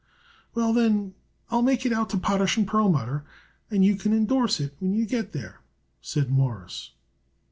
"Well, then, I'll make it out to Potash & Perlmutter, and you can indorse it when you get there," said Morris.